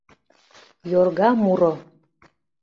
Йорга муро